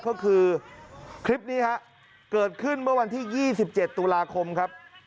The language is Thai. ก็คือคลิปนี้ฮะเกิดขึ้นเมื่อวันที่๒๗ตุลาคมครับ